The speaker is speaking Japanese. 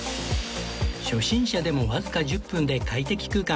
初心者でもわずか１０分で快適空間